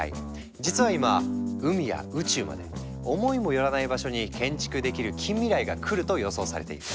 実は今海や宇宙まで思いも寄らない場所に建築できる近未来がくると予想されている。